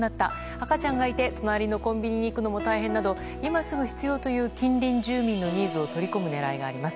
赤ちゃんがいて隣のコンビニに行くのも大変など今すぐ必要という、近隣住民のニーズを取り込む狙いがあります。